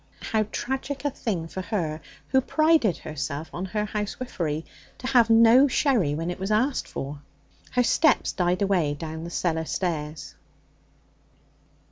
How tragic a thing for her, who prided herself on her housewifery, to have no sherry when it was asked for! Her steps died away down the cellar stairs.